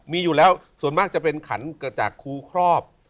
มีอยู่แล้วส่วนมากจะเป็นขันเกิดจากครูครอบ